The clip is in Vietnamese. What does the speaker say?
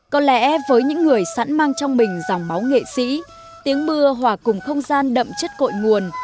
có lẽ với những người sẵn mang trong mình dòng máu nghệ sĩ tiếng mưa hòa cùng không gian đậm chất cội nguồn